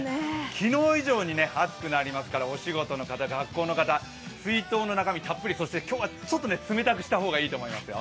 昨日以上に暑くなりますからお仕事の方、学校の方、水筒の中身はたっぷり、今日はちょっと冷たくした方がいいと思いますよ。